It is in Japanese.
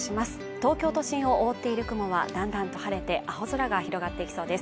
東京都心を覆っている雲はだんだんと晴れて青空が広がっていきそうです